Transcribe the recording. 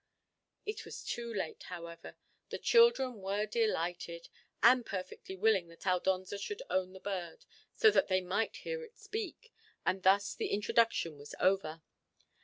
It was too late, however, the children were delighted, and perfectly willing that Aldonza should own the bird, so they might hear it speak, and thus the introduction was over.